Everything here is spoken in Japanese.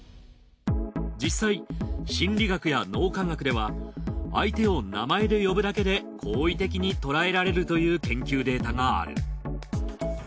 実際心理学や脳科学では相手を名前で呼ぶだけで好意的にとらえられるという研究データがある。